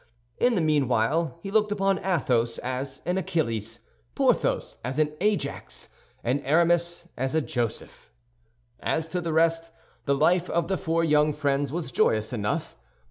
In the meanwhile, he looked upon Athos as an Achilles, Porthos as an Ajax, and Aramis as a Joseph. As to the rest, the life of the four young friends was joyous enough.